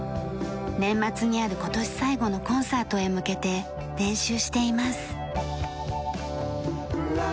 年末にある今年最後のコンサートへ向けて練習しています。